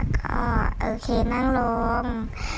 ก็โอเคนั่งลง